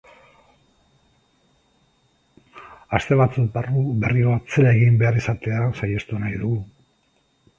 Aste batzuk barru berriro atzera egin behar izatea saihestu nahi dugu.